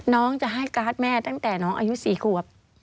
น้องจะให้การ์ดแม่ตั้งแต่น้องอายุ๔ขวบ